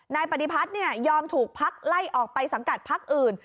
นายปฏิพัฒน์ยอมถูกพักไล่ออกไปสังกัดพักอื่น